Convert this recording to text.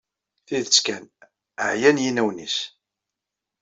Tidet kan, ɛyan yinawen-is.